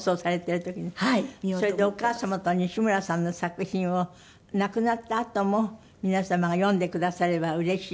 それでお母様と西村さんの作品を亡くなったあとも皆様が読んでくださればうれしい。